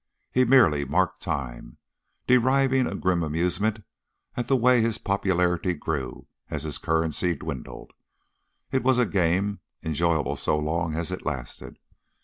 He merely marked time, deriving a grim amusement at the way his popularity grew as his currency dwindled. It was a game, enjoyable so long as it lasted.